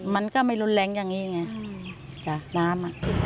มันก็ไม่รุนแรงอย่างนี้น้ำ